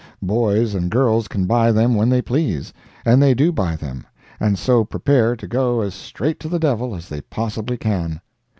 Boys and girls can buy them when they please, and they do buy them, and so prepare to go as straight to the devil as they possibly can.